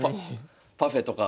パフェとか。